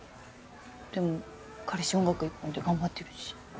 でも彼氏音楽一本で頑張っ